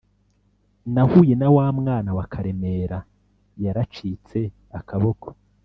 Nahuye na wamwana wa karemera yaracitse akaboko